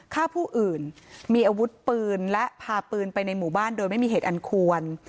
ฆ่าผู้อื่นมีอาวุธปืนและพาปืนไปในหมู่บ้านโดยไม่มีเหตุอันควร